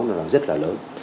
cái chảy máu nó rất là lớn